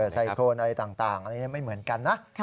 ไซโครนอะไรต่างอะไรไม่เหมือนกันนะ